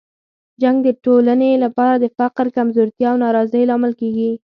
جنګ د ټولنې لپاره د فقر، کمزورتیا او ناراضۍ لامل کیږي.